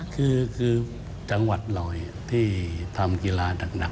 คือจังหวัดลอยที่ทำกีฬาหนัก